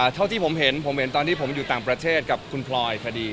เท่าที่ผมเห็นตอนที่ผมอยู่ต่างประเทศกับคุณพลอย